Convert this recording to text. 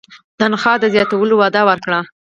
تنخوا د زیاتولو وعده ورکړه.